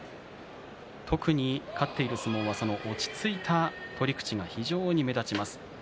特に勝っている相撲は落ち着いた取り口が非常に目立ちます。